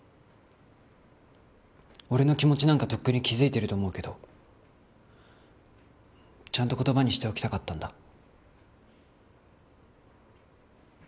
俺の気持ちなんかとっくに気づいてると思うけどちゃんと言葉にしておきたかったんだ。